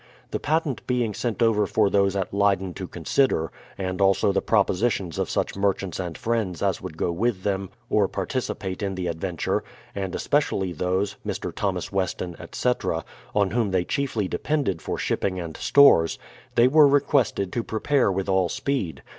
The patent being sent over for those at Leyden to consider, and also the propositions of such merchants and friends as would go with them or participate in the ad venture, — and especially those (Mr. Thomas Weston, etc.), 34 BRADFORD'S HISTORY on whom they chiefly depended for shipping and stores, — they were requested to prepare with all speed.